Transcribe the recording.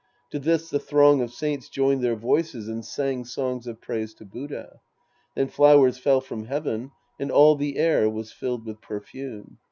To this the throng of saints joined their voices and sang songs of praise to Buddha. Then flowers fell from heaven, and all the air was filled with perfume.